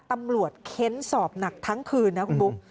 ตำรวจเข้นสอบหนักทั้งคืนนะคุณบุ๊ก